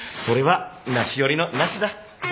それはなし寄りのなしだ。